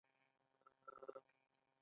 ایا د کورنۍ قدر پیژنئ؟